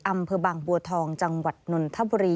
อำเภอบางบัวทองจังหวัดนนทบุรี